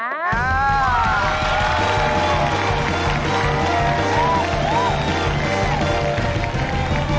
อ้าว